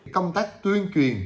công tác tuyên truyền